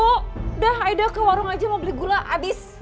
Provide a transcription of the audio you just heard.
udah aida ke warung aja mau beli gula abis